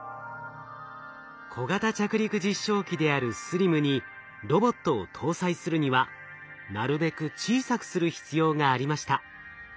小型着陸実証機であるＳＬＩＭにロボットを搭載するにはなるべく小さくする必要がありました。